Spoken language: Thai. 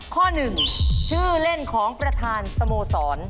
ข้อหนึ่งชื่อเล่นของประธานสโมสร